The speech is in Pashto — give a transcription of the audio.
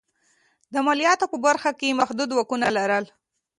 د مالیاتو په برخه کې یې محدود واکونه لرل.